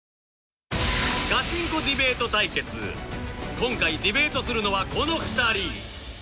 今回ディベートするのはこの２人